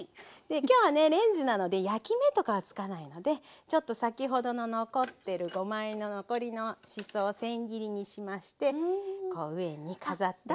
きょうはねレンジなので焼き目とかはつかないのでちょっと先ほどの残ってるごまあえの残りのしそをせん切りにしましてこう上にかざってあげる。